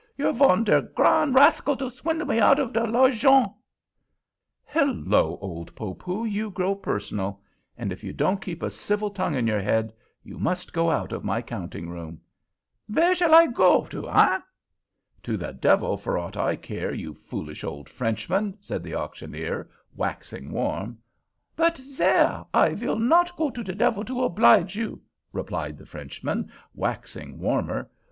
You're von ver gran rascal to swindle me out of de l'argent." "Hello, old Poopoo, you grow personal; and if you can't keep a civil tongue in your head, you must go out of my counting room." "Vare shall I go to, eh?" "To the devil, for aught I care, you foolish old Frenchman!" said the auctioneer, waxing warm. "But, sare, I vill not go to de devil to oblige you!" replied the Frenchman, waxing warmer.